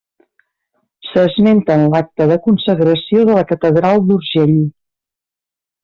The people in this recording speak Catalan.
S'esmenta en l'acta de consagració de la catedral d'Urgell.